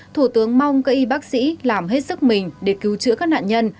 thủ tướng mong cây bác sĩ làm hết sức mình để cứu chữa các nạn nhân